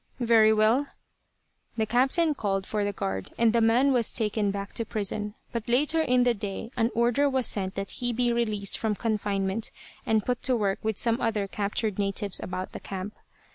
"Very well." The captain called for the guard, and the man was taken back to prison; but later in the day an order was sent that he be released from confinement and put to work with some other captured natives about the camp.